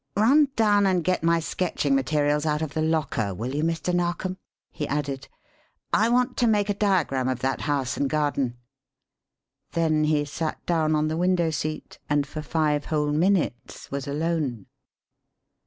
"Run down and get my sketching materials out of the locker, will you, Mr. Narkom?" he added. "I want to make a diagram of that house and garden." Then he sat down on the window seat and for five whole minutes was alone.